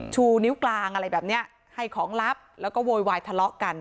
ชูนิ้วกลางอะไรแบบเนี้ยให้ของลับแล้วก็โวยวายทะเลาะกัน